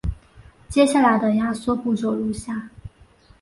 接下来的压缩步骤如下。